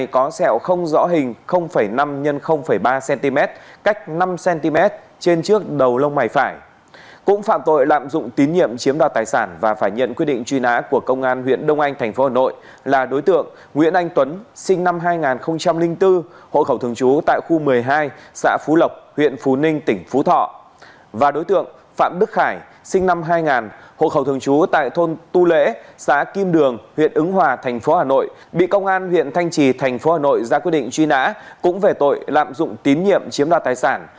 công an huyện thanh trì tp hà nội ra quyết định truy nã cũng về tội lạm dụng tín nhiệm chiếm đoạt tài sản